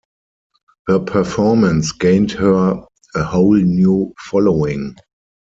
Her performance gained her a whole new following.